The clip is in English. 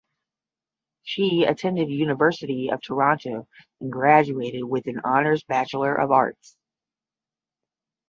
She attended University of Toronto and graduated with an Honours Bachelor of Arts.